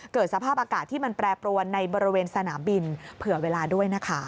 สภาพอากาศที่มันแปรปรวนในบริเวณสนามบินเผื่อเวลาด้วยนะคะ